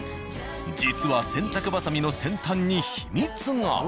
実は洗濯ばさみの先端に秘密が。